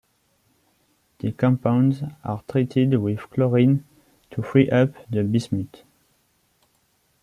The compounds are treated with chlorine to free up the bismuth.